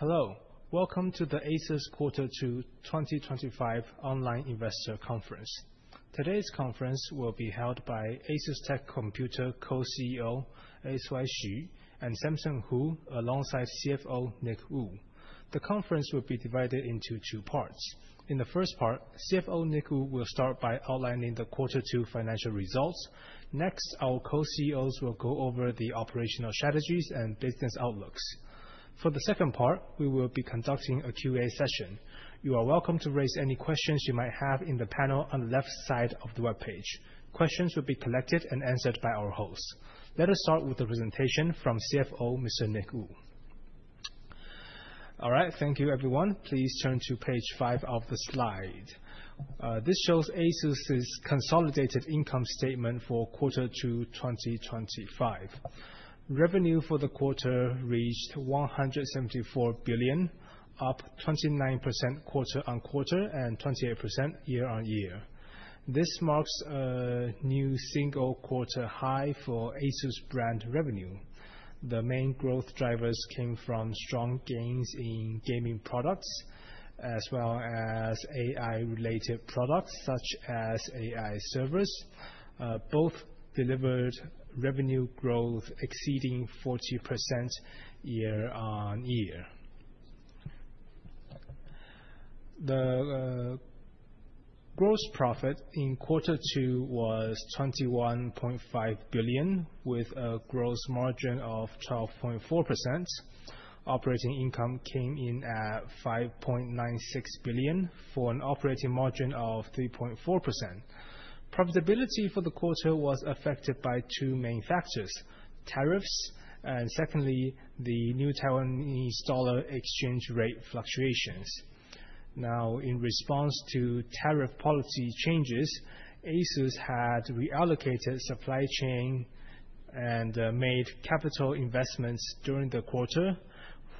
Hello, welcome to the ASUS Quarter Two 2025 Online Investor Conference. Today's conference will be held by ASUSTeK Computer Co-CEO S.Y. Hsu and Samson Hu, alongside CFO Nick Wu. The conference will be divided into two parts. In the first part, CFO Nick Wu will start by outlining the quarter two financial results. Next, our Co-CEOs will go over the operational strategies and business outlooks. For the second part, we will be conducting a Q&A session. You are welcome to raise any questions you might have in the panel on the left side of the web page. Questions will be collected and answered by our host. Let us start with the presentation from CFO Mr. Nick Wu. All right, thank you everyone. Please turn to page five of the slide. This shows ASUS's consolidated income statement for quarter two 2025. Revenue for the quarter reached 174 billion, up 29% quarter-on-quarter and 28% year-on-year. This marks a new single quarter high for ASUS brand revenue. The main growth drivers came from strong gains in gaming products as well as AI-related products such as AI servers. Both delivered revenue growth exceeding 40% year-on-year. The gross profit in quarter two was 21.5 billion, with a gross margin of 12.4%. Operating income came in at 5.96 billion for an operating margin of 3.4%. Profitability for the quarter was affected by two main factors: tariffs and, secondly, the new Taiwanese dollar exchange rate fluctuations. Now, in response to tariff policy changes, ASUS had reallocated supply chain and made capital investments during the quarter,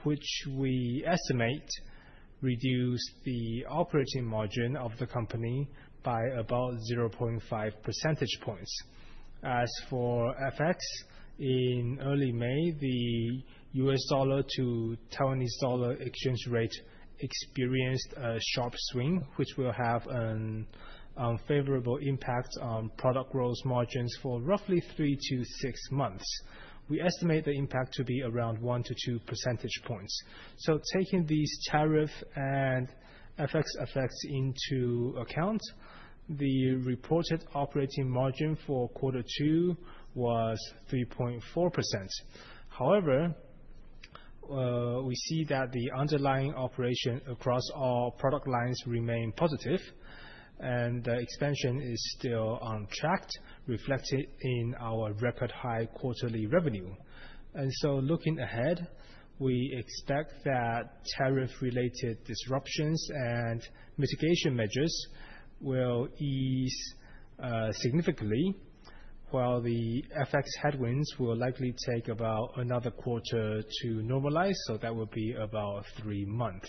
which we estimate reduced the operating margin of the company by about 0.5 percentage points. As for FX, in early May, the U.S. dollar to Taiwanese dollar exchange rate experienced a sharp swing, which will have an unfavorable impact on product gross margins for roughly three to six months. We estimate the impact to be around 1-2 percentage points. So, taking these tariff and FX effects into account, the reported operating margin for quarter two was 3.4%. However, we see that the underlying operation across all product lines remained positive, and the expansion is still on track, reflected in our record high quarterly revenue. And so, looking ahead, we expect that tariff-related disruptions and mitigation measures will ease significantly, while the FX headwinds will likely take about another quarter to normalize. So, that will be about three months.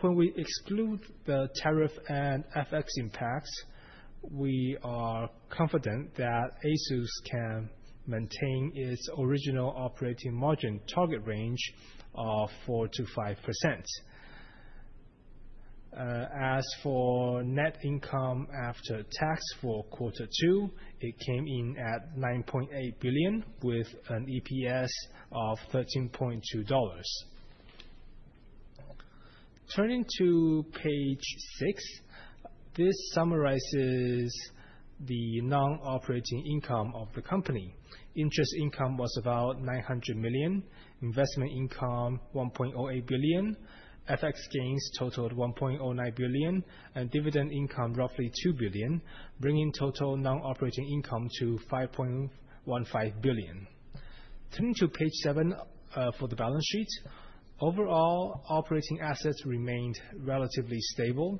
When we exclude the tariff and FX impacts, we are confident that ASUS can maintain its original operating margin target range of 4%-5%. As for net income after tax for quarter two, it came in at 9.8 billion, with an EPS of 13.2 dollars. Turning to page six, this summarizes the non-operating income of the company. Interest income was about 900 million, investment income 1.08 billion, FX gains totaled 1.09 billion, and dividend income roughly 2 billion, bringing total non-operating income to 5.15 billion. Turning to page seven for the balance sheet, overall operating assets remained relatively stable.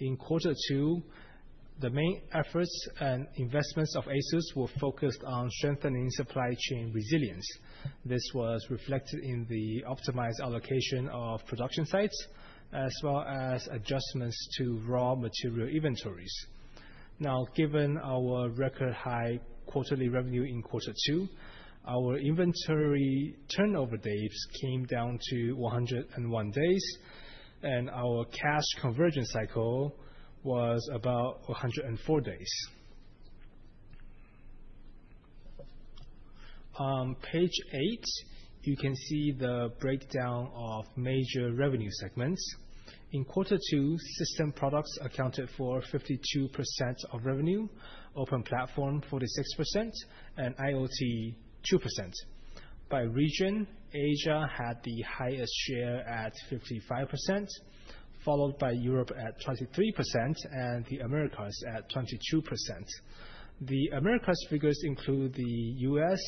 In quarter two, the main efforts and investments of ASUS were focused on strengthening supply chain resilience. This was reflected in the optimized allocation of production sites as well as adjustments to raw material inventories. Now, given our record high quarterly revenue in quarter two, our inventory turnover days came down to 101 days, and our cash conversion cycle was about 104 days. On page eight, you can see the breakdown of major revenue segments. In quarter two, system products accounted for 52% of revenue, open platform 46%, and IoT 2%. By region, Asia had the highest share at 55%, followed by Europe at 23%, and the Americas at 22%. The Americas figures include the U.S.,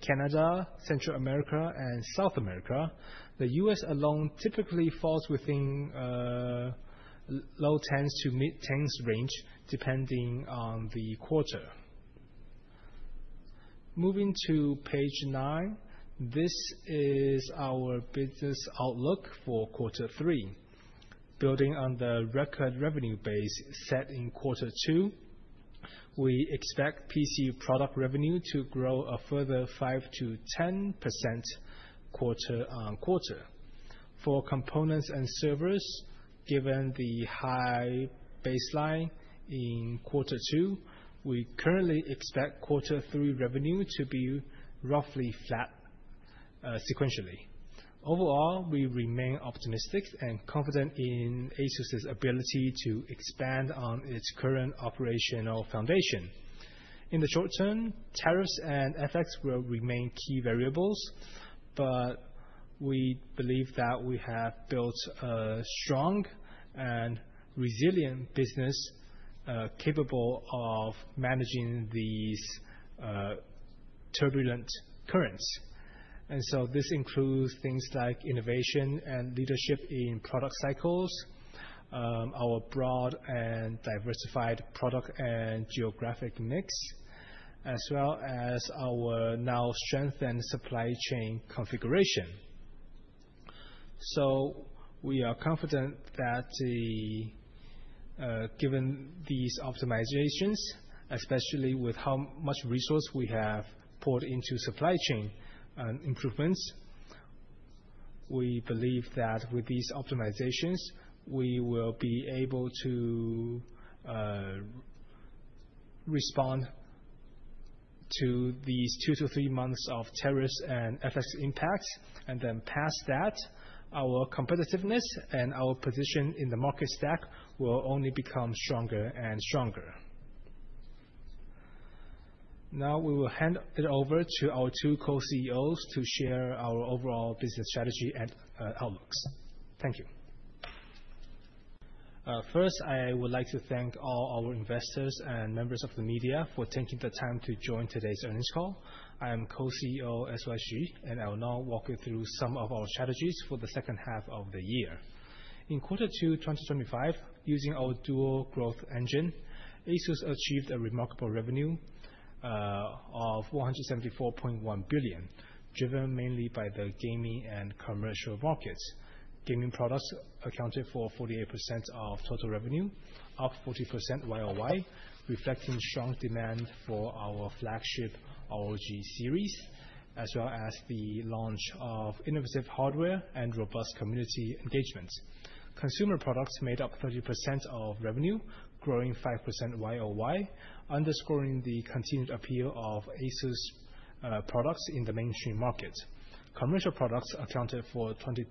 Canada, Central America, and South America. The U.S. alone typically falls within low 10s to mid 10s range, depending on the quarter. Moving to page nine, this is our business outlook for quarter three. Building on the record revenue base set in quarter two, we expect PC product revenue to grow a further 5%-10% quarter-on-quarter. For components and servers, given the high baseline in quarter two, we currently expect quarter three revenue to be roughly flat sequentially. Overall, we remain optimistic and confident in ASUS's ability to expand on its current operational foundation. In the short term, tariffs and FX will remain key variables, but we believe that we have built a strong and resilient business capable of managing these turbulent currents, and so this includes things like innovation and leadership in product cycles, our broad and diversified product and geographic mix, as well as our now strengthened supply chain configuration, so we are confident that given these optimizations, especially with how much resource we have poured into supply chain improvements, we believe that with these optimizations, we will be able to respond to these two to three months of tariffs and FX impacts. Then past that, our competitiveness and our position in the market stack will only become stronger and stronger. Now, we will hand it over to our two Co-CEOs to share our overall business strategy and outlooks. Thank you. First, I would like to thank all our investors and members of the media for taking the time to join today's earnings call. I am Co-CEO S.Y. Hsu, and I will now walk you through some of our strategies for the second half of the year. In quarter two 2025, using our dual growth engine, ASUS achieved a remarkable revenue of 174.1 billion, driven mainly by the gaming and commercial markets. Gaming products accounted for 48% of total revenue, up 40% YoY, reflecting strong demand for our flagship ROG series, as well as the launch of innovative hardware and robust community engagements. Consumer products made up 30% of revenue, growing 5% YoY, underscoring the continued appeal of ASUS products in the mainstream market. Commercial products accounted for 22%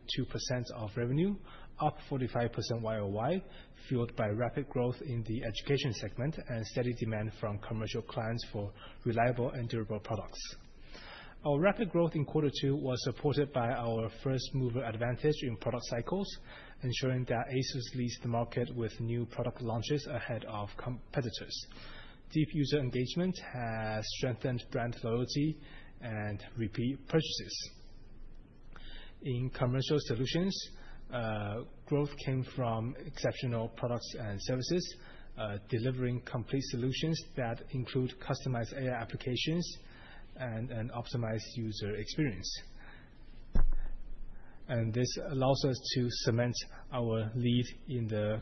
of revenue, up 45% YoY, fueled by rapid growth in the education segment and steady demand from commercial clients for reliable and durable products. Our rapid growth in quarter two was supported by our first mover advantage in product cycles, ensuring that ASUS leads the market with new product launches ahead of competitors. Deep user engagement has strengthened brand loyalty and repeat purchases. In commercial solutions, growth came from exceptional products and services, delivering complete solutions that include customized AI applications and an optimized user experience, and this allows us to cement our lead in the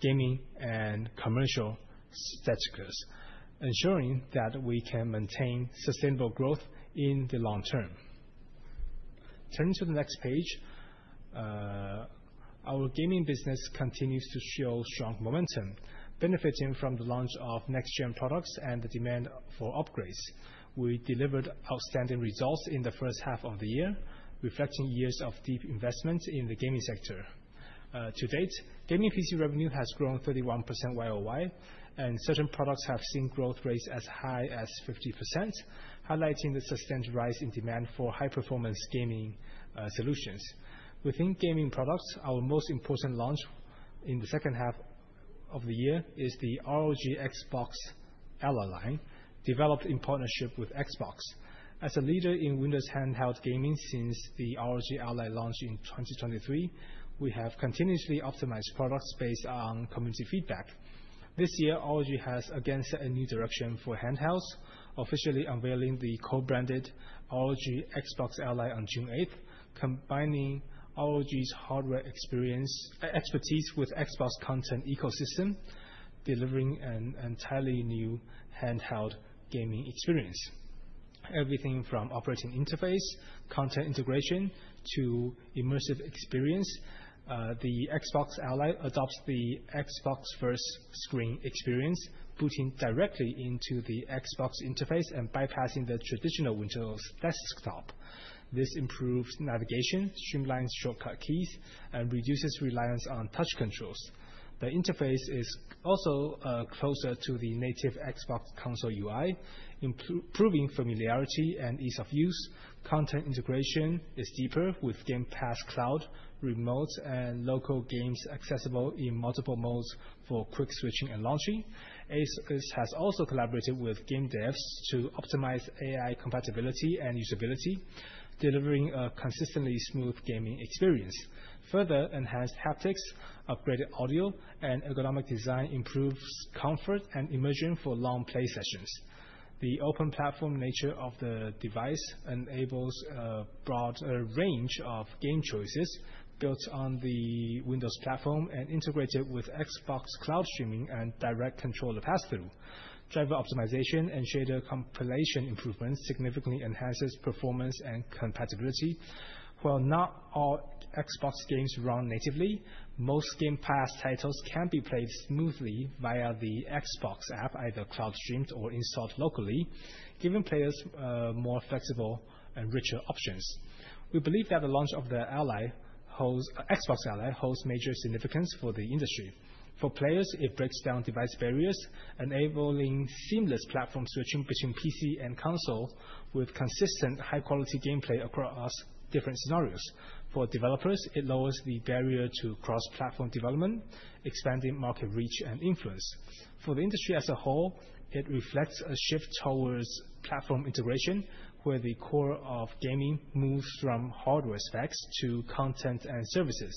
gaming and commercial sectors, ensuring that we can maintain sustainable growth in the long term. Turning to the next page, our gaming business continues to show strong momentum, benefiting from the launch of next-gen products and the demand for upgrades. We delivered outstanding results in the first half of the year, reflecting years of deep investment in the gaming sector. To date, gaming PC revenue has grown 31% YoY, and certain products have seen growth rates as high as 50%, highlighting the sustained rise in demand for high-performance gaming solutions. Within gaming products, our most important launch in the second half of the year is the ROG Xbox Ally line, developed in partnership with Xbox. As a leader in Windows handheld gaming since the ROG Ally launch in 2023, we have continuously optimized products based on community feedback. This year, ROG has again set a new direction for handhelds, officially unveiling the co-branded ROG Xbox Ally on June 8, combining ROG's hardware expertise with Xbox content ecosystem, delivering an entirely new handheld gaming experience. Everything from operating interface, content integration, to immersive experience, the Xbox Ally adopts the Xbox First Screen experience, booting directly into the Xbox interface and bypassing the traditional Windows desktop. This improves navigation, streamlines shortcut keys, and reduces reliance on touch controls. The interface is also closer to the native Xbox console UI, improving familiarity and ease of use. Content integration is deeper, with Game Pass Cloud, remote, and local games accessible in multiple modes for quick switching and launching. ASUS has also collaborated with game devs to optimize AI compatibility and usability, delivering a consistently smooth gaming experience. Further enhanced haptics, upgraded audio, and ergonomic design improve comfort and immersion for long play sessions. The open platform nature of the device enables a broader range of game choices built on the Windows platform and integrated with Xbox Cloud streaming and direct controller passthrough. Driver optimization and shader compilation improvements significantly enhance performance and compatibility. While not all Xbox games run natively, most Game Pass titles can be played smoothly via the Xbox app, either cloud streamed or installed locally, giving players more flexible and richer options. We believe that the launch of the Xbox Ally holds major significance for the industry. For players, it breaks down device barriers, enabling seamless platform switching between PC and console with consistent high-quality gameplay across different scenarios. For developers, it lowers the barrier to cross-platform development, expanding market reach and influence. For the industry as a whole, it reflects a shift towards platform integration, where the core of gaming moves from hardware specs to content and services.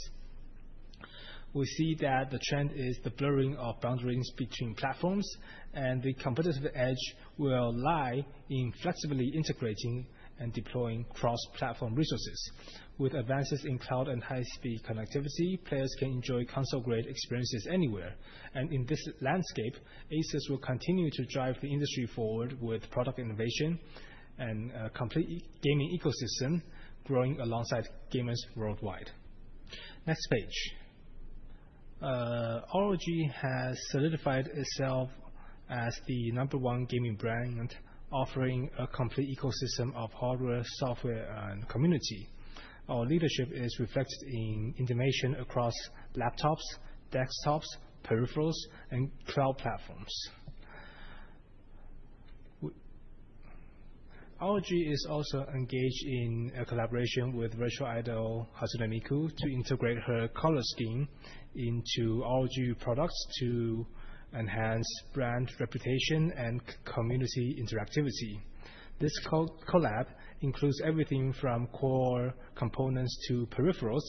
We see that the trend is the blurring of boundaries between platforms, and the competitive edge will lie in flexibly integrating and deploying cross-platform resources. With advances in cloud and high-speed connectivity, players can enjoy console-grade experiences anywhere. And in this landscape, ASUS will continue to drive the industry forward with product innovation and a complete gaming ecosystem growing alongside gamers worldwide. Next page. ROG has solidified itself as the number one gaming brand, offering a complete ecosystem of hardware, software, and community. Our leadership is reflected in innovation across laptops, desktops, peripherals, and cloud platforms. ROG is also engaged in a collaboration with virtual idol Hatsune Miku to integrate her color scheme into ROG products to enhance brand reputation and community interactivity. This collab includes everything from core components to peripherals,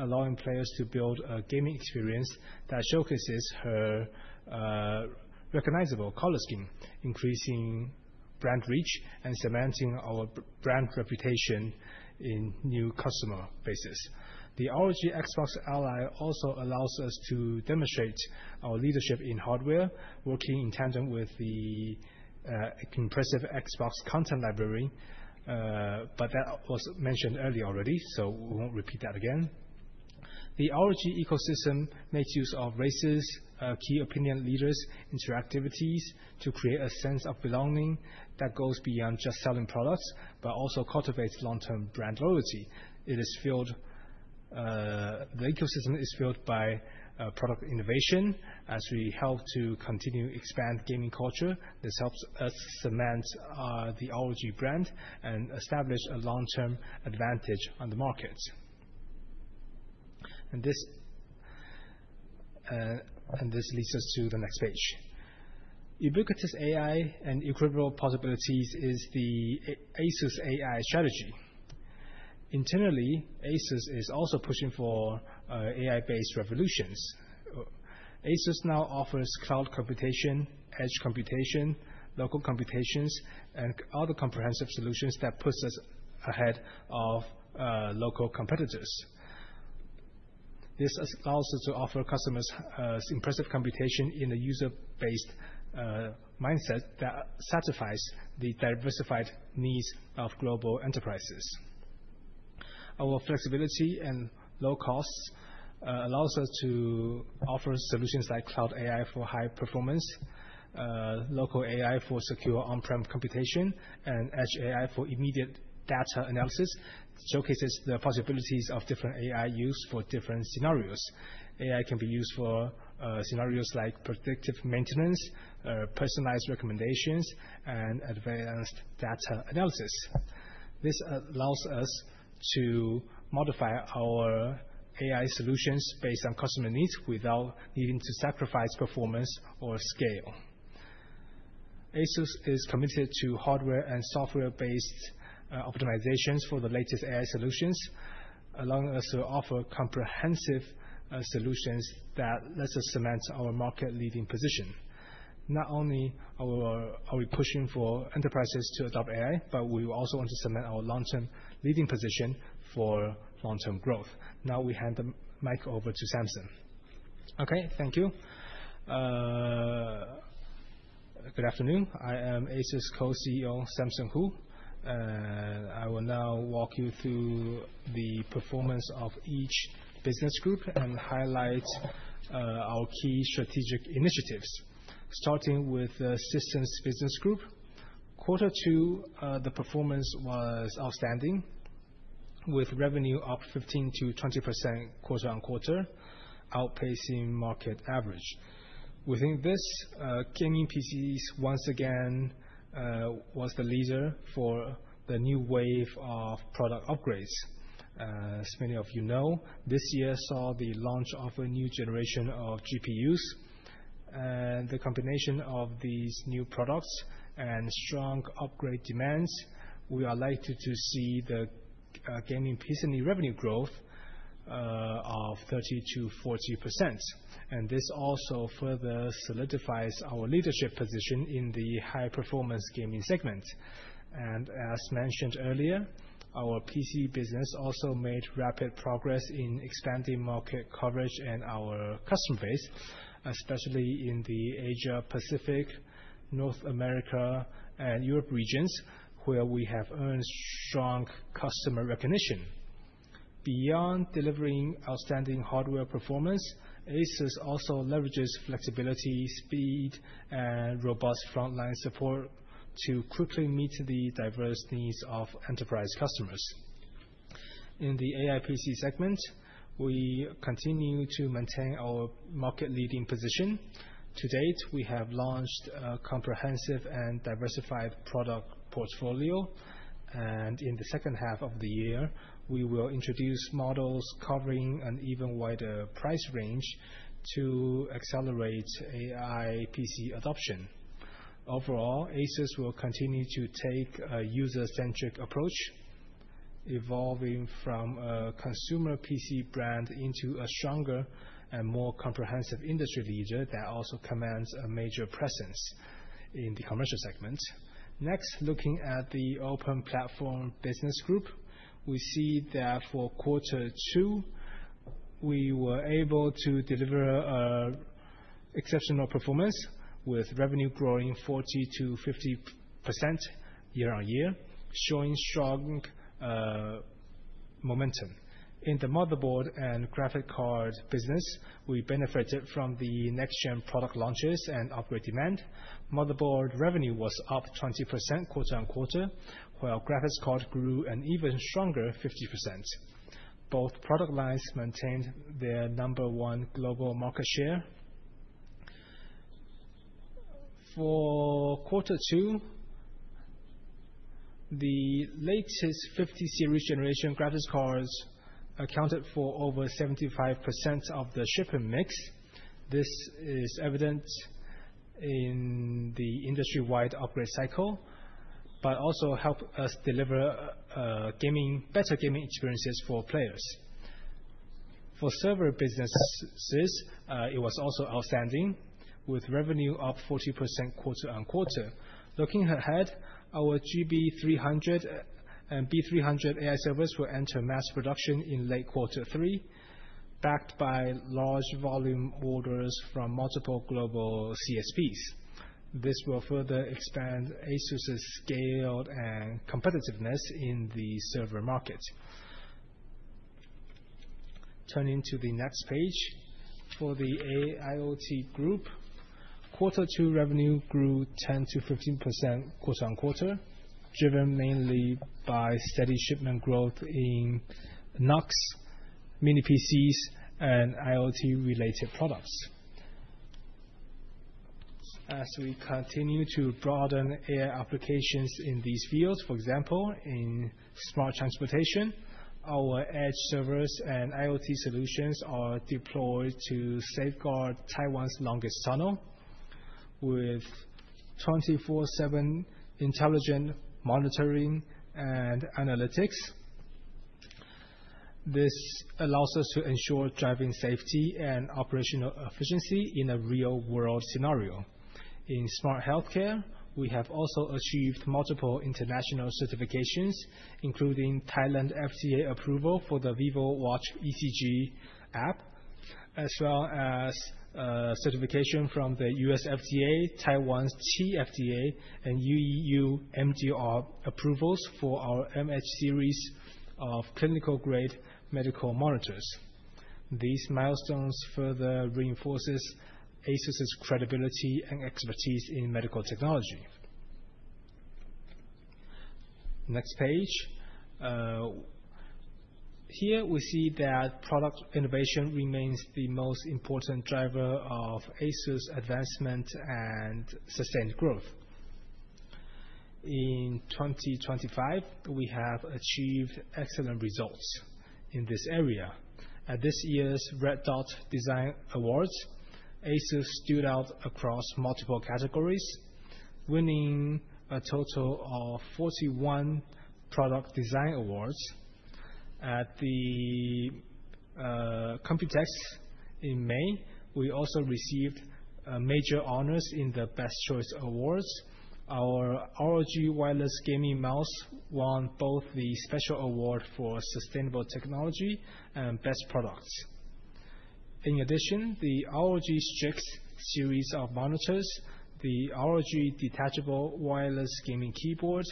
allowing players to build a gaming experience that showcases her recognizable color scheme, increasing brand reach and cementing our brand reputation in new customer bases. The ROG Xbox Ally also allows us to demonstrate our leadership in hardware, working in tandem with the impressive Xbox content library, but that was mentioned earlier already, so we won't repeat that again. The ROG ecosystem makes use of ROG's key opinion leaders' interactions to create a sense of belonging that goes beyond just selling products, but also cultivates long-term brand loyalty. The ecosystem is fueled by product innovation as we help to continue to expand gaming culture. This helps us cement the ROG brand and establish a long-term advantage on the markets. This leads us to the next page. Ubiquitous AI and infinite possibilities is the ASUS AI strategy. Internally, ASUS is also pushing for AI-based revolutions. ASUS now offers cloud computation, edge computation, local computations, and other comprehensive solutions that put us ahead of local competitors. This allows us to offer customers impressive computation in a user-based mindset that satisfies the diversified needs of global enterprises. Our flexibility and low costs allow us to offer solutions like cloud AI for high performance, local AI for secure on-prem computation, and edge AI for immediate data analysis, showcasing the possibilities of different AI use for different scenarios. AI can be used for scenarios like predictive maintenance, personalized recommendations, and advanced data analysis. This allows us to modify our AI solutions based on customer needs without needing to sacrifice performance or scale. ASUS is committed to hardware and software-based optimizations for the latest AI solutions, allowing us to offer comprehensive solutions that let us cement our market leading position. Not only are we pushing for enterprises to adopt AI, but we also want to cement our long-term leading position for long-term growth. Now we hand the mic over to Samson. Okay, thank you. Good afternoon. I am ASUS Co-CEO Samson Hu, and I will now walk you through the performance of each business group and highlight our key strategic initiatives, starting with the Systems Business Group. quarter two, the performance was outstanding, with revenue up 15%-20% quarter-on-quarter, outpacing market average. Within this, gaming PCs once again were the leader for the new wave of product upgrades. As many of you know, this year saw the launch of a new generation of GPUs. And the combination of these new products and strong upgrade demands, we are likely to see the gaming PC revenue growth of 30%-40%. This also further solidifies our leadership position in the high-performance gaming segment. As mentioned earlier, our PC business also made rapid progress in expanding market coverage and our customer base, especially in the Asia-Pacific, North America, and Europe regions, where we have earned strong customer recognition. Beyond delivering outstanding hardware performance, ASUS also leverages flexibility, speed, and robust frontline support to quickly meet the diverse needs of enterprise customers. In the AI PC segment, we continue to maintain our market-leading position. To date, we have launched a comprehensive and diversified product portfolio, and in the second half of the year, we will introduce models covering an even wider price range to accelerate AI PC adoption. Overall, ASUS will continue to take a user-centric approach, evolving from a consumer PC brand into a stronger and more comprehensive industry leader that also commands a major presence in the commercial segment. Next, looking at the Open Platform Business Group, we see that for quarter two, we were able to deliver exceptional performance with revenue growing 40%-50% year-on-year, showing strong momentum. In the motherboard and graphics card business, we benefited from the next-gen product launches and upgrade demand. Motherboard revenue was up 20% quarter-on-quarter, while graphics card grew an even stronger 50%. Both product lines maintained their number one global market share. For quarter two, the latest 50-series generation graphics cards accounted for over 75% of the shipping mix. This is evident in the industry-wide upgrade cycle, but also helped us deliver better gaming experiences for players. For server businesses, it was also outstanding, with revenue up 40% quarter-on-quarter. Looking ahead, our GB300 and B300 AI servers will enter mass production in late quarter three, backed by large volume orders from multiple global CSPs. This will further expand ASUS's scale and competitiveness in the server market. Turning to the next page, for the AIoT Group, quarter two revenue grew 10%-15% quarter-on-quarter, driven mainly by steady shipment growth in NUCs, mini PCs, and IoT-related products. As we continue to broaden AI applications in these fields, for example, in smart transportation, our edge servers and IoT solutions are deployed to safeguard Taiwan's longest tunnel with 24/7 intelligent monitoring and analytics. This allows us to ensure driving safety and operational efficiency in a real-world scenario. In smart healthcare, we have also achieved multiple international certifications, including Thailand FDA approval for the VivoWatch ECG app, as well as certification from the U.S. FDA, Taiwan's TFDA, and EU MDR approvals for our MH series of clinical-grade medical monitors. These milestones further reinforce ASUS's credibility and expertise in medical technology. Next page. Here we see that product innovation remains the most important driver of ASUS advancement and sustained growth. In 2025, we have achieved excellent results in this area. At this year's Red Dot Design Awards, ASUS stood out across multiple categories, winning a total of 41 product design awards. At the Computex in May, we also received major honors in the Best Choice Awards. Our ROG Wireless Gaming Mouse won both the Special Award for Sustainable Technology and Best Products. In addition, the ROG Strix series of monitors, the ROG Detachable Wireless Gaming Keyboard,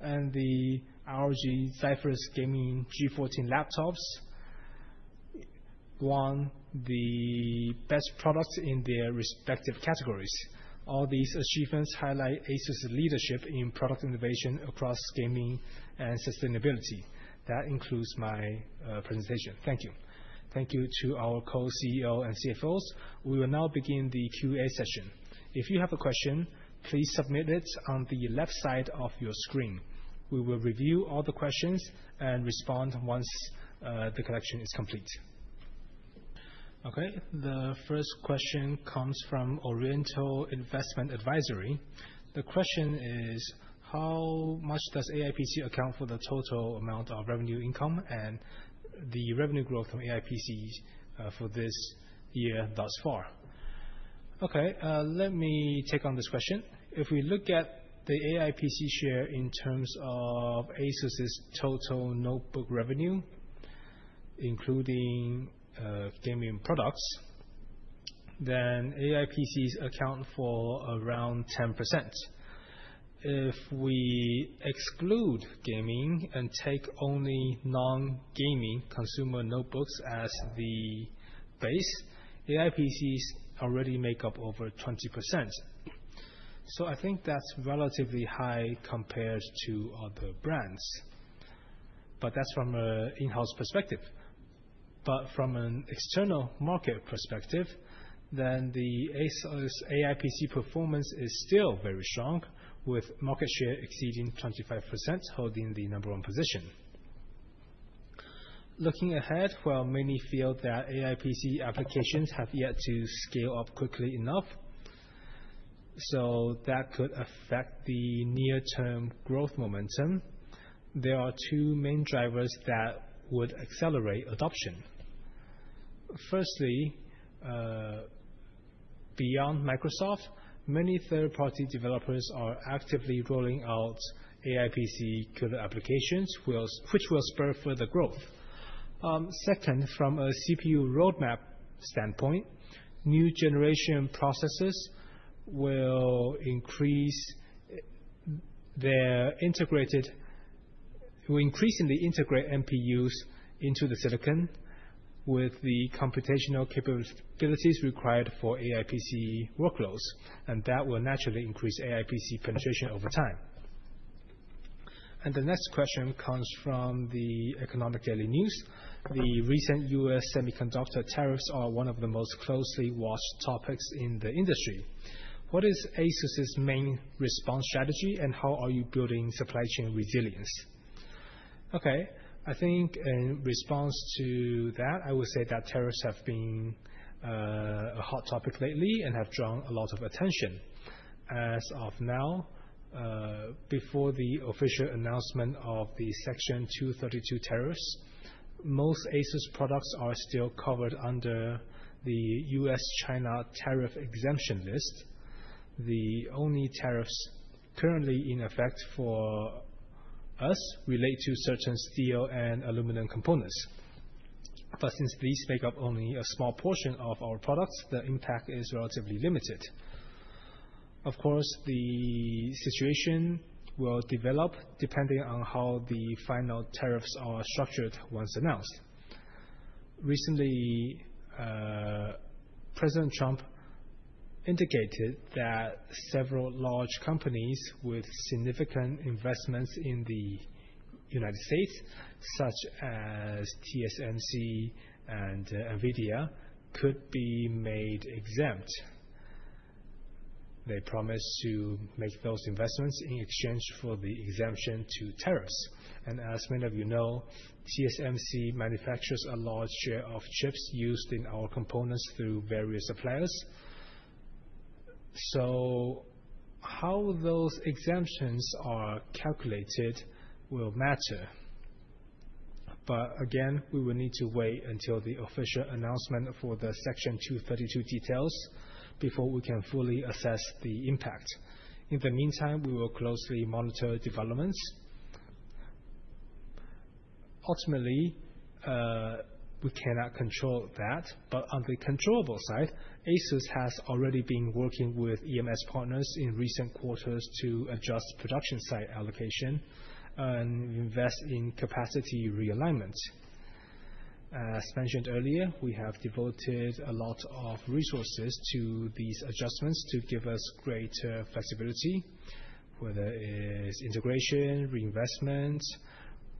and the ROG Zephyrus G14 laptops won the best products in their respective categories. All these achievements highlight ASUS's leadership in product innovation across gaming and sustainability. That includes my presentation. Thank you. Thank you to our co-CEO and CFOs. We will now begin the Q&A session. If you have a question, please submit it on the left side of your screen. We will review all the questions and respond once the collection is complete. Okay, the first question comes from Oriental Investment Advisory. The question is, how much does AI PC account for the total amount of revenue income and the revenue growth from AI PCs for this year thus far? Okay, let me take on this question. If we look at the AI PC share in terms of ASUS's total notebook revenue, including gaming products, then AI PCs account for around 10%. If we exclude gaming and take only non-gaming consumer notebooks as the base, AI PCs already make up over 20%. So I think that's relatively high compared to other brands, but that's from an in-house perspective. But from an external market perspective, then the ASUS AI PC performance is still very strong, with market share exceeding 25%, holding the number one position. Looking ahead, while many feel that AI PC applications have yet to scale up quickly enough, so that could affect the near-term growth momentum, there are two main drivers that would accelerate adoption. Firstly, beyond Microsoft, many third-party developers are actively rolling out AI PC killer applications, which will spur further growth. Second, from a CPU roadmap standpoint, new generation processors will increasingly integrate NPUs into the silicon, with the computational capabilities required for AI PC workloads, and that will naturally increase AI PC penetration over time. And the next question comes from the Economic Daily News. The recent U.S. semiconductor tariffs are one of the most closely watched topics in the industry. What is ASUS's main response strategy, and how are you building supply chain resilience? Okay, I think in response to that, I would say that tariffs have been a hot topic lately and have drawn a lot of attention. As of now, before the official announcement of the Section 232 tariffs, most ASUS products are still covered under the U.S.-China tariff exemption list. The only tariffs currently in effect for us relate to certain steel and aluminum components. But since these make up only a small portion of our products, the impact is relatively limited. Of course, the situation will develop depending on how the final tariffs are structured once announced. Recently, President Trump indicated that several large companies with significant investments in the U.S., such as TSMC and NVIDIA, could be made exempt. They promised to make those investments in exchange for the exemption to tariffs. As many of you know, TSMC manufactures a large share of chips used in our components through various suppliers. How those exemptions are calculated will matter. Again, we will need to wait until the official announcement for the Section 232 details before we can fully assess the impact. In the meantime, we will closely monitor developments. Ultimately, we cannot control that, but on the controllable side, ASUS has already been working with EMS partners in recent quarters to adjust production site allocation and invest in capacity realignment. As mentioned earlier, we have devoted a lot of resources to these adjustments to give us greater flexibility, whether it's integration, reinvestment,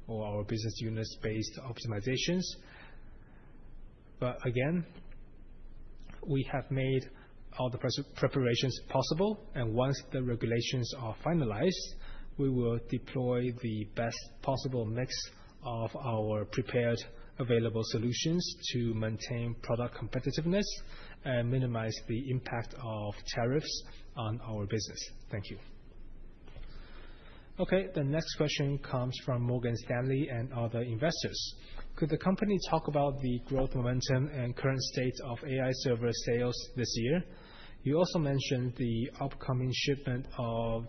or our business units-based optimizations. But again, we have made all the preparations possible, and once the regulations are finalized, we will deploy the best possible mix of our prepared available solutions to maintain product competitiveness and minimize the impact of tariffs on our business. Thank you. Okay, the next question comes from Morgan Stanley and other investors. Could the company talk about the growth momentum and current state of AI server sales this year? You also mentioned the upcoming shipment of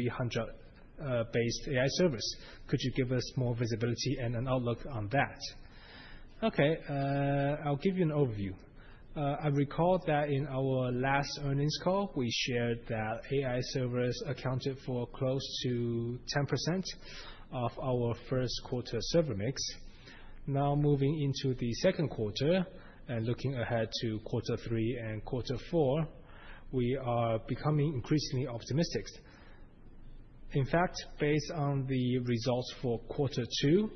GB300-based AI servers. Could you give us more visibility and an outlook on that? Okay, I'll give you an overview. I recall that in our last earnings call, we shared that AI servers accounted for close to 10% of our first quarter server mix. Now, moving into the second quarter and looking ahead to quarter three and quarter four, we are becoming increasingly optimistic. In fact, based on the results for quarter two,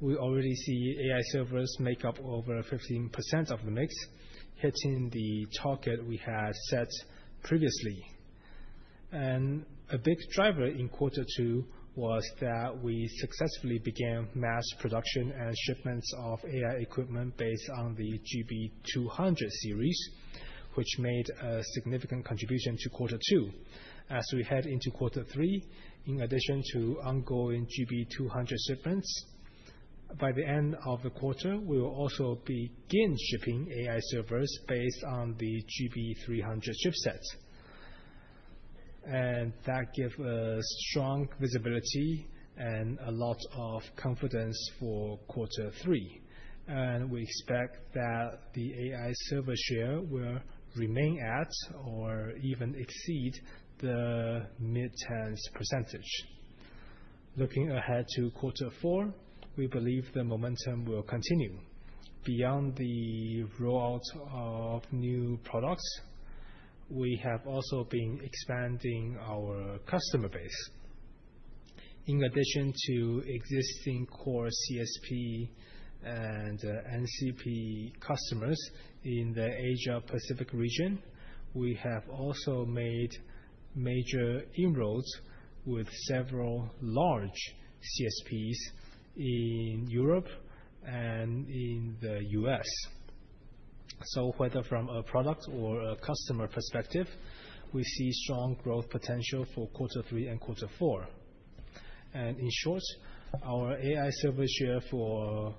we already see AI servers make up over 15% of the mix, hitting the target we had set previously, and a big driver in quarter two was that we successfully began mass production and shipments of AI equipment based on the GB200 series, which made a significant contribution to quarter two. As we head into quarter three, in addition to ongoing GB200 shipments, by the end of the quarter, we will also begin shipping AI servers based on the GB300 chipset, and that gives us strong visibility and a lot of confidence for quarter three, and we expect that the AI server share will remain at or even exceed the mid-teens %. Looking ahead to quarter four, we believe the momentum will continue. Beyond the rollout of new products, we have also been expanding our customer base. In addition to existing core CSP and NCP customers in the Asia-Pacific region, we have also made major inroads with several large CSPs in Europe and in the U.S. So whether from a product or a customer perspective, we see strong growth potential for quarter three and quarter four. And in short, our AI server share for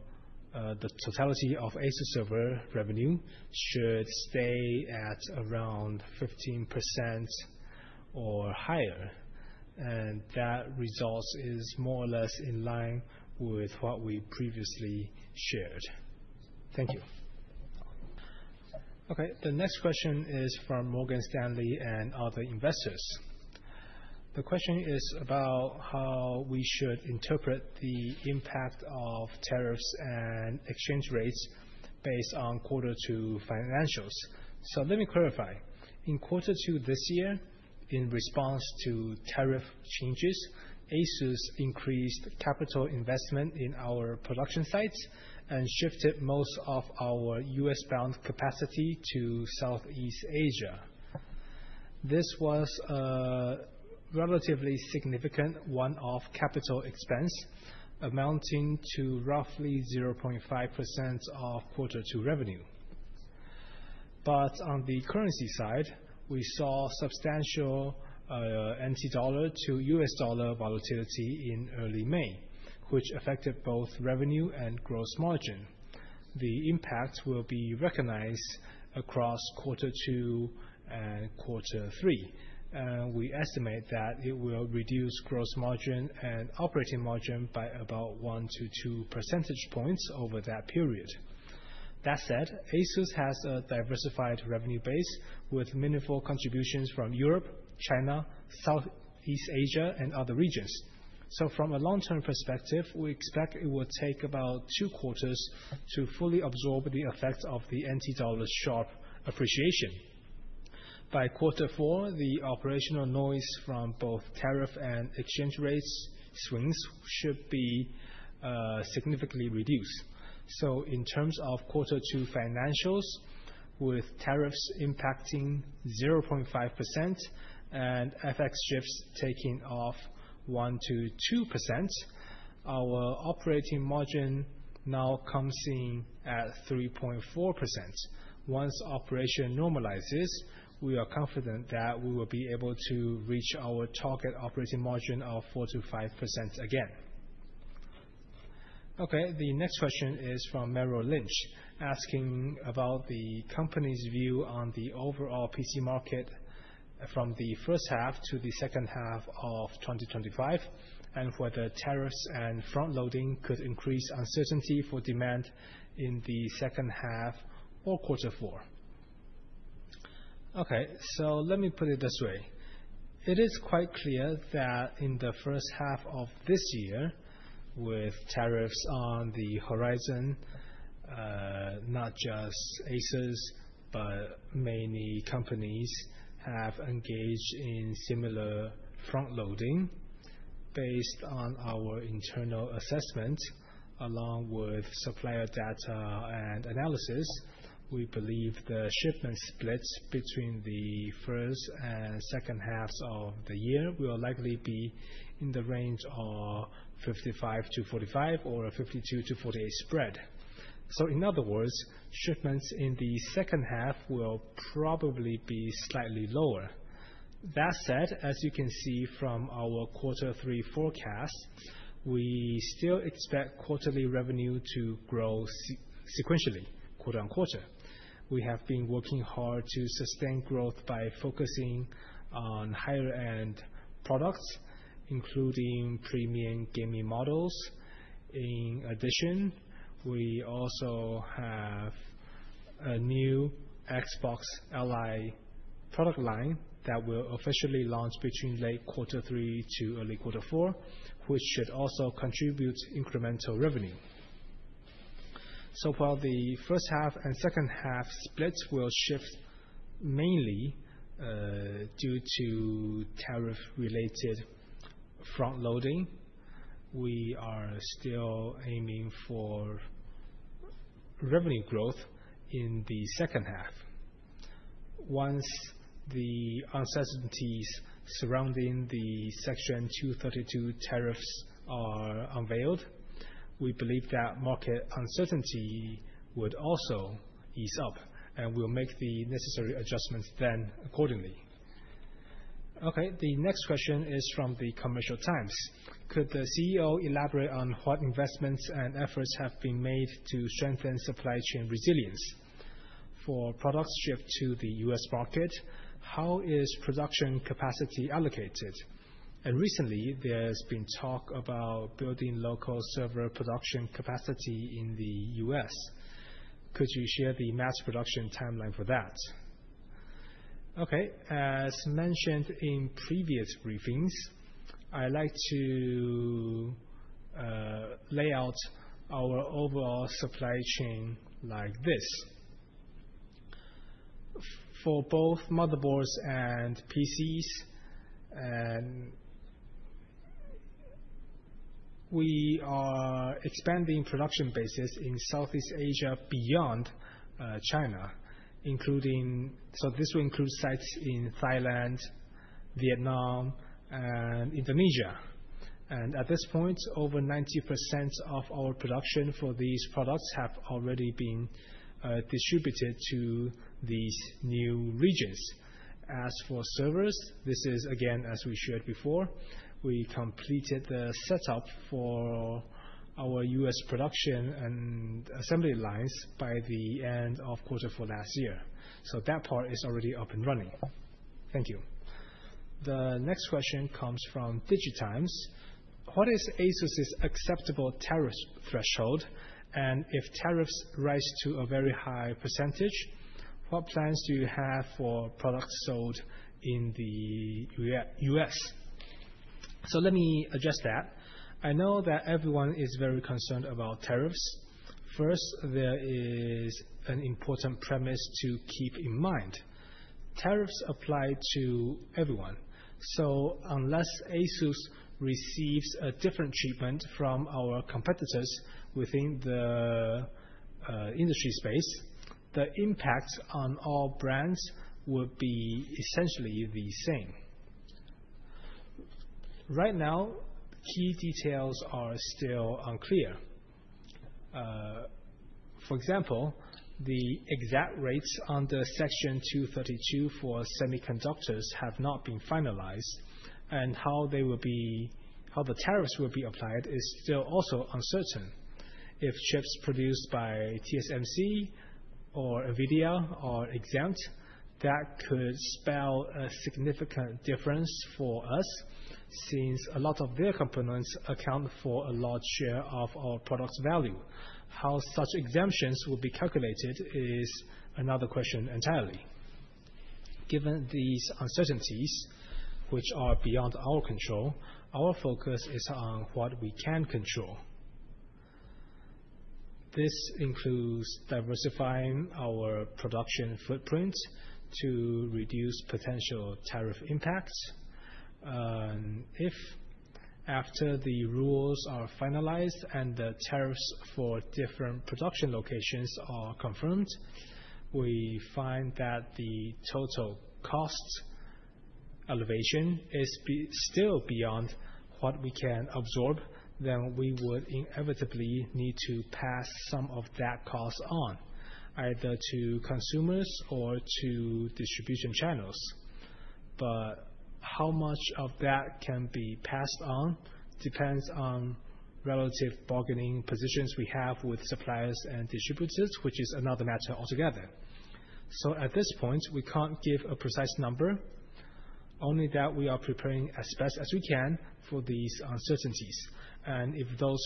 the totality of ASUS server revenue should stay at around 15% or higher. And that result is more or less in line with what we previously shared. Thank you. Okay, the next question is from Morgan Stanley and other investors. The question is about how we should interpret the impact of tariffs and exchange rates based on quarter two financials. So let me clarify. In quarter two this year, in response to tariff changes, ASUS increased capital investment in our production sites and shifted most of our U.S.-bound capacity to Southeast Asia. This was a relatively significant one-off capital expense amounting to roughly 0.5% of quarter two revenue, but on the currency side, we saw substantial NT dollar to U.S. dollar volatility in early May, which affected both revenue and gross margin. The impact will be recognized across quarter two and quarter three, and we estimate that it will reduce gross margin and operating margin by about 1-2 percentage points over that period. That said, ASUS has a diversified revenue base with meaningful contributions from Europe, China, Southeast Asia, and other regions, so from a long-term perspective, we expect it will take about two quarters to fully absorb the effects of the NT dollar sharp appreciation. By quarter four, the operational noise from both tariff and exchange rate swings should be significantly reduced. So in terms of quarter two financials, with tariffs impacting 0.5% and FX shifts taking off 1%-2%, our operating margin now comes in at 3.4%. Once operation normalizes, we are confident that we will be able to reach our target operating margin of 4%-5% again. Okay, the next question is from Merrill Lynch, asking about the company's view on the overall PC market from the first half to the second half of 2025, and whether tariffs and front-loading could increase uncertainty for demand in the second half or quarter four. Okay, so let me put it this way. It is quite clear that in the first half of this year, with tariffs on the horizon, not just ASUS, but many companies have engaged in similar front-loading. Based on our internal assessment, along with supplier data and analysis, we believe the shipment splits between the first and second halves of the year will likely be in the range of 55%-45% or a 52%-48% spread. So in other words, shipments in the second half will probably be slightly lower. That said, as you can see from our quarter three forecast, we still expect quarterly revenue to grow sequentially quarter-on-quarter. We have been working hard to sustain growth by focusing on higher-end products, including premium gaming models. In addition, we also have a new ROG Xbox Ally product line that will officially launch between late quarter three to early quarter four, which should also contribute incremental revenue. So while the first half and second half splits will shift mainly due to tariff-related front-loading, we are still aiming for revenue growth in the second half. Once the uncertainties surrounding the Section 232 tariffs are unveiled, we believe that market uncertainty would also ease up, and we'll make the necessary adjustments then accordingly. Okay, the next question is from the Commercial Times. Could the CEO elaborate on what investments and efforts have been made to strengthen supply chain resilience? For products shipped to the U.S. market, how is production capacity allocated? And recently, there's been talk about building local server production capacity in the U.S. Could you share the mass production timeline for that? Okay, as mentioned in previous briefings, I like to lay out our overall supply chain like this. For both motherboards and PCs, we are expanding production bases in Southeast Asia beyond China, including, so this will include sites in Thailand, Vietnam, and Indonesia, and at this point, over 90% of our production for these products have already been distributed to these new regions. As for servers, this is again, as we shared before, we completed the setup for our U.S. production and assembly lines by the end of quarter four last year. So that part is already up and running. Thank you. The next question comes from DigiTimes. What is ASUS's acceptable tariff threshold? And if tariffs rise to a very high percentage, what plans do you have for products sold in the U.S.? So let me address that. I know that everyone is very concerned about tariffs. First, there is an important premise to keep in mind. Tariffs apply to everyone. So unless ASUS receives a different treatment from our competitors within the industry space, the impact on all brands would be essentially the same. Right now, key details are still unclear. For example, the exact rates under Section 232 for semiconductors have not been finalized, and how the tariffs will be applied is still also uncertain. If chips produced by TSMC or NVIDIA are exempt, that could spell a significant difference for us since a lot of their components account for a large share of our product's value. How such exemptions will be calculated is another question entirely. Given these uncertainties, which are beyond our control, our focus is on what we can control. This includes diversifying our production footprint to reduce potential tariff impacts, and if, after the rules are finalized and the tariffs for different production locations are confirmed, we find that the total cost elevation is still beyond what we can absorb, then we would inevitably need to pass some of that cost on, either to consumers or to distribution channels. But how much of that can be passed on depends on relative bargaining positions we have with suppliers and distributors, which is another matter altogether. So at this point, we can't give a precise number, only that we are preparing as best as we can for these uncertainties. And if those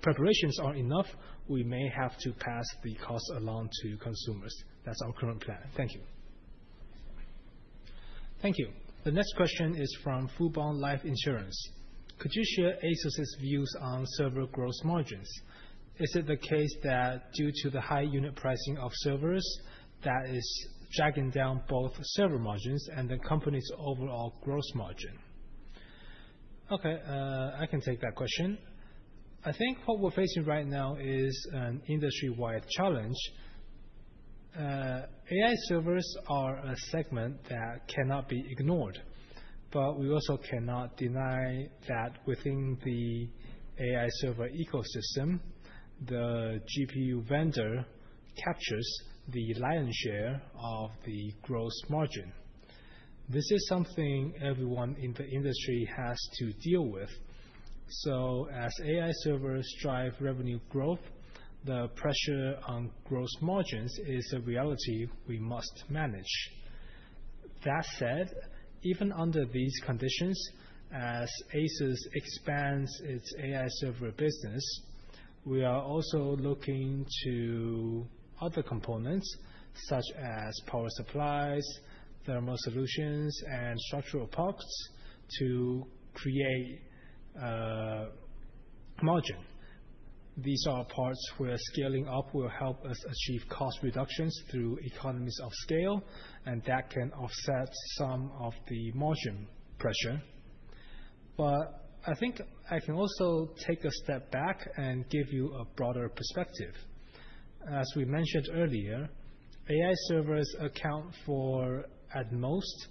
preparations aren't enough, we may have to pass the cost along to consumers. That's our current plan. Thank you. Thank you. The next question is from Fubon Life Insurance. Could you share ASUS's views on server gross margins? Is it the case that due to the high unit pricing of servers, that is dragging down both server margins and the company's overall gross margin? Okay, I can take that question. I think what we're facing right now is an industry-wide challenge. AI servers are a segment that cannot be ignored, but we also cannot deny that within the AI server ecosystem, the GPU vendor captures the lion's share of the gross margin. This is something everyone in the industry has to deal with. So as AI servers drive revenue growth, the pressure on gross margins is a reality we must manage. That said, even under these conditions, as ASUS expands its AI server business, we are also looking to other components such as power supplies, thermal solutions, and structural parts to create margin. These are parts where scaling up will help us achieve cost reductions through economies of scale, and that can offset some of the margin pressure. But I think I can also take a step back and give you a broader perspective. As we mentioned earlier, AI servers account for at most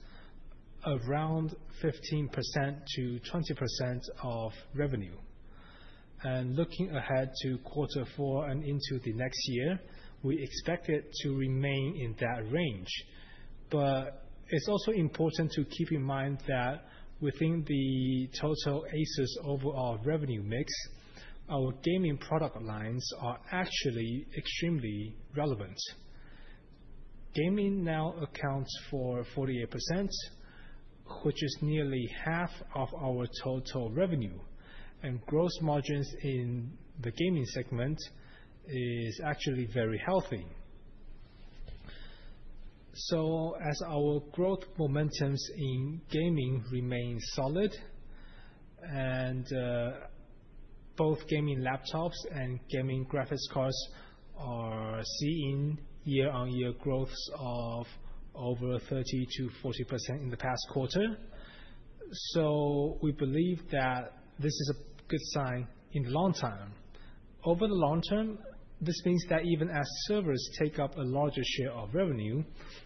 around 15%-20% of revenue. Looking ahead to quarter four and into the next year, we expect it to remain in that range. It's also important to keep in mind that within the total ASUS overall revenue mix, our gaming product lines are actually extremely relevant. Gaming now accounts for 48%, which is nearly half of our total revenue, and gross margins in the gaming segment are actually very healthy. As our growth momentums in gaming remain solid, and both gaming laptops and gaming graphics cards are seeing year-on-year growths of over 30%-40% in the past quarter, so we believe that this is a good sign in the long term. Over the long term, this means that even as servers take up a larger share of revenue,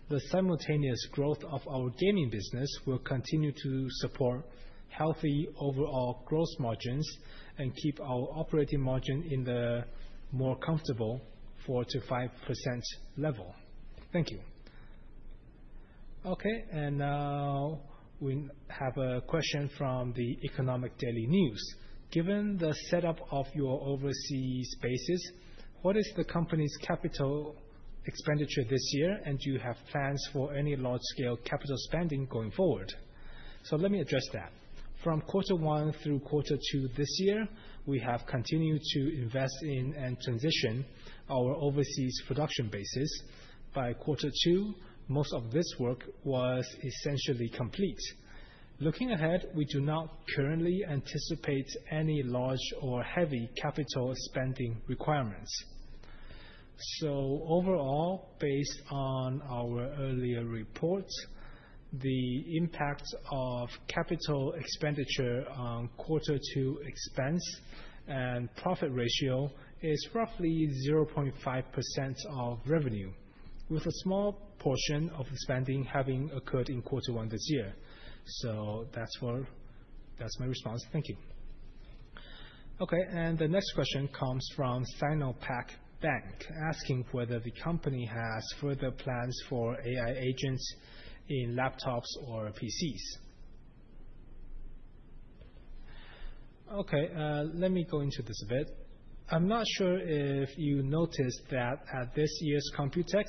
the simultaneous growth of our gaming business will continue to support healthy overall gross margins and keep our operating margin in the more comfortable 4%-5% level. Thank you. Okay, and now we have a question from the Economic Daily News. Given the setup of your overseas bases, what is the company's capital expenditure this year, and do you have plans for any large-scale capital spending going forward? So let me address that. From quarter one through quarter two this year, we have continued to invest in and transition our overseas production bases. By quarter two, most of this work was essentially complete. Looking ahead, we do not currently anticipate any large or heavy capital spending requirements. Overall, based on our earlier reports, the impact of capital expenditure on quarter two expense and profit ratio is roughly 0.5% of revenue, with a small portion of the spending having occurred in quarter one this year. So that's my response. Thank you. Okay, and the next question comes from Bank SinoPac, asking whether the company has further plans for AI agents in laptops or PCs. Okay, let me go into this a bit. I'm not sure if you noticed that at this year's Computex,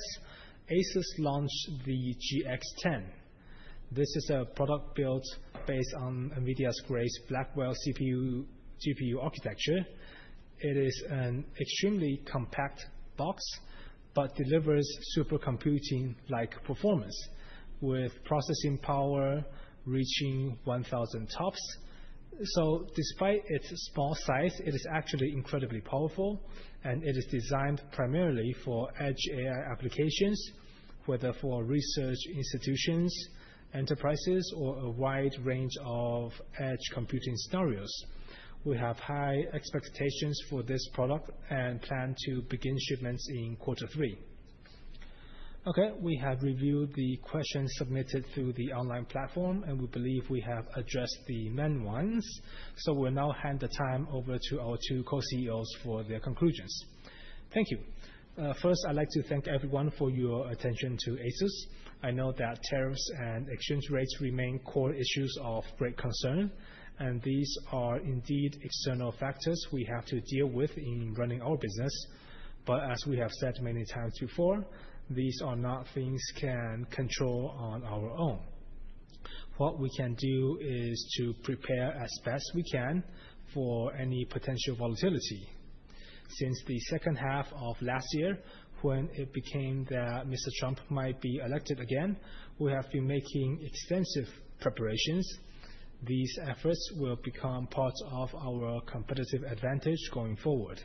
ASUS launched the GX10. This is a product built based on NVIDIA's Grace Blackwell CPU architecture. It is an extremely compact box but delivers supercomputing-like performance, with processing power reaching 1,000 TOPS. So despite its small size, it is actually incredibly powerful, and it is designed primarily for edge AI applications, whether for research institutions, enterprises, or a wide range of edge computing scenarios. We have high expectations for this product and plan to begin shipments in quarter three. Okay, we have reviewed the questions submitted through the online platform, and we believe we have addressed the main ones. So we'll now hand the time over to our two co-CEOs for their conclusions. Thank you. First, I'd like to thank everyone for your attention to ASUS. I know that tariffs and exchange rates remain core issues of great concern, and these are indeed external factors we have to deal with in running our business. But as we have said many times before, these are not things we can control on our own. What we can do is to prepare as best we can for any potential volatility. Since the second half of last year, when it became that Mr. Trump might be elected again, we have been making extensive preparations. These efforts will become part of our competitive advantage going forward.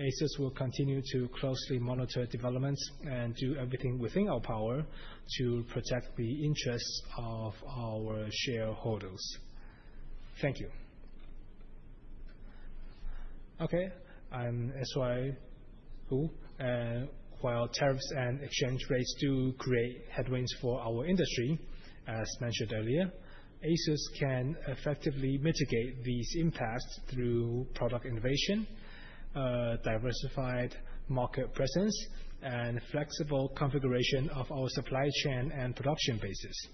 ASUS will continue to closely monitor developments and do everything within our power to protect the interests of our shareholders. Thank you. Okay, I'm S.Y. Hsu. While tariffs and exchange rates do create headwinds for our industry, as mentioned earlier, ASUS can effectively mitigate these impacts through product innovation, diversified market presence, and flexible configuration of our supply chain and production bases.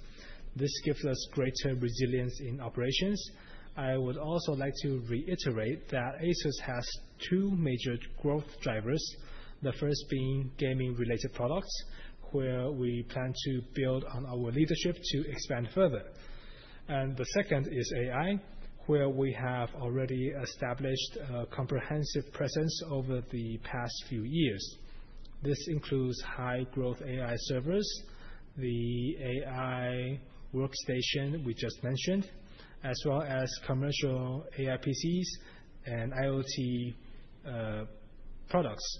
This gives us greater resilience in operations. I would also like to reiterate that ASUS has two major growth drivers, the first being gaming-related products, where we plan to build on our leadership to expand further, and the second is AI, where we have already established a comprehensive presence over the past few years. This includes high-growth AI servers, the AI workstation we just mentioned, as well as commercial AI PCs and IoT products.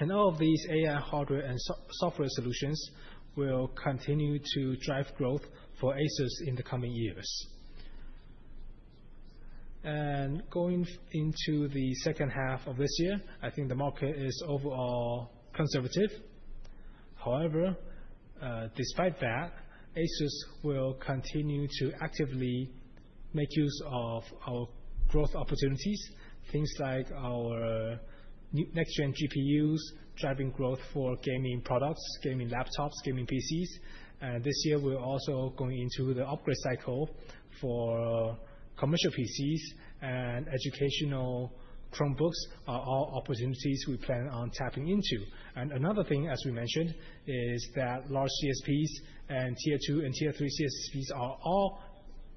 All of these AI hardware and software solutions will continue to drive growth for ASUS in the coming years. Going into the second half of this year, I think the market is overall conservative. However, despite that, ASUS will continue to actively make use of our growth opportunities, things like our next-gen GPUs driving growth for gaming products, gaming laptops, gaming PCs. This year, we're also going into the upgrade cycle for commercial PCs and educational Chromebooks. These are all opportunities we plan on tapping into. Another thing, as we mentioned, is that large CSPs and Tier 2 and Tier 3 CSPs are all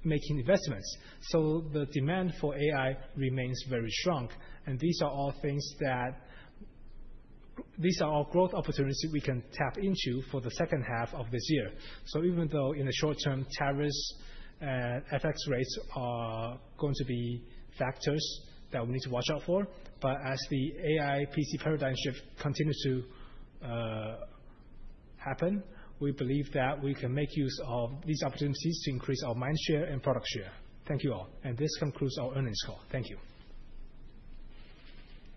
making investments. The demand for AI remains very strong. These are all growth opportunities we can tap into for the second half of this year. So even though in the short term, tariffs and FX rates are going to be factors that we need to watch out for, but as the AI PC paradigm shift continues to happen, we believe that we can make use of these opportunities to increase our mind share and product share. Thank you all. And this concludes our earnings call. Thank you.